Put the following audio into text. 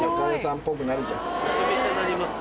めちゃめちゃなりますね。